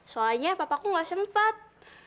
soalnya papaku gak sempet